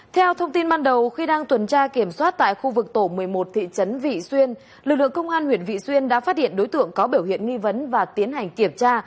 theo thông tin ban đầu khi đang tuần tra kiểm soát tại khu vực tổ một mươi một thị trấn vị xuyên lực lượng công an huyện vị xuyên đã phát hiện đối tượng có biểu hiện nghi vấn và tiến hành kiểm tra